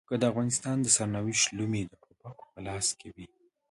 که د افغانستان د سرنوشت لومې د ټوپکو په لاس کې وي.